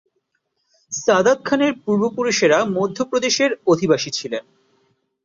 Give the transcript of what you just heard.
সাদাত খানের পূর্বপুরুষেরা মধ্যপ্রদেশের অধিবাসী ছিলেন।